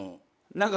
何か。